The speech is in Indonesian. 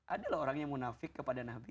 ada lah orang yang munafik kepada nabi